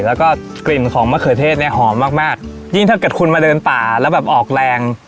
แล้วก็กลิ่นของมะเขือเทศเนี่ยหอมมากมากยิ่งถ้าเกิดคุณมาเดินป่าแล้วแบบออกแรง